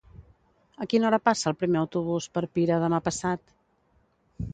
A quina hora passa el primer autobús per Pira demà passat?